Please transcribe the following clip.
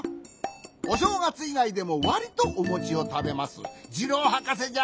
おしょうがついがいでもわりとおもちをたべますジローはかせじゃ。